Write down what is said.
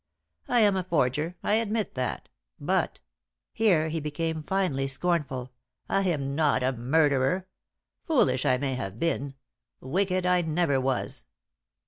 I am a forger, I admit that; but" here he became finely scornful "I am not a murderer. Foolish I may have been, wicked I never was."